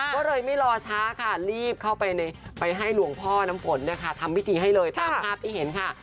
ก็เลยไม่รอช้าค่ะรีบเข้าไปให้หลวงพ่อน้ำฝนเนี่ยค่ะทำพิธีให้เลยตามภาพที่เห็นค่ะ